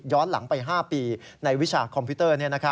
หลังไป๕ปีในวิชาคอมพิวเตอร์